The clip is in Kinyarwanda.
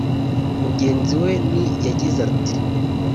Mugenzi we n yagize ati